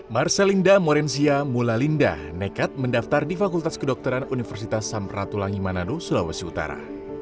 marcelinda morenzia mulalinda nekat mendaftar di fakultas kedokteran universitas samratulangi manado sulawesi utara